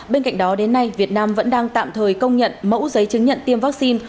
bên cạnh đó đến nay việt nam vẫn đang tạm thời công nhận mẫu giấy chứng nhận tiêm vaccine